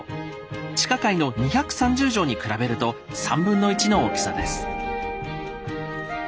地下階の２３０畳に比べると３分の１の大きさです。